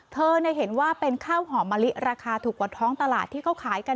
เธอเห็นว่าเป็นข้าวหอมมะลิราคาถูกกว่าท้องตลาดที่เขาขายกัน